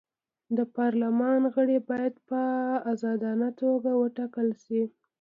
د پارلمان غړي باید په ازادانه توګه وټاکل شي.